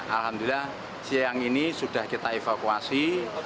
alhamdulillah siang ini sudah kita evakuasi